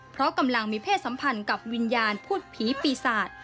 เพราะกำลังมีเพศสัมพันธ์กับวิญญาณพูดผีปีศาจ